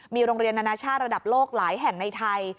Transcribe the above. มีโรงเรียนนานาชาติระดับโลกหลายแห่งในไทย